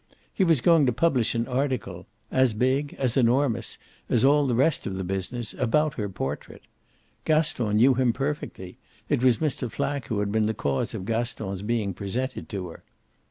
He was going to publish an article as big, as enormous, as all the rest of the business about her portrait. Gaston knew him perfectly: it was Mr. Flack who had been the cause of Gaston's being presented to her.